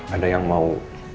ada yang mau